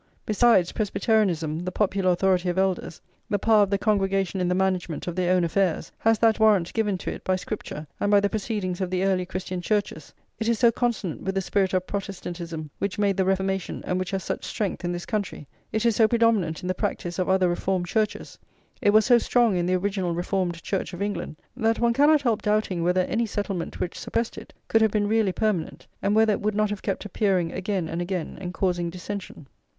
Besides, Presbyterianism, the popular authority of elders, the power of the congregation in the management of their own affairs, has that warrant given to it by Scripture and by the proceedings of the early Christian Churches, it is so consonant with the spirit of Protestantism which made the Reformation and which has such strength in this country, it is so predominant in the practice of other reformed churches, it was so strong in the original reformed Church of England, that one cannot help doubting whether any settlement which suppressed it could have been really permanent, [xliii] and whether it would not have kept appearing again and again, and causing dissension.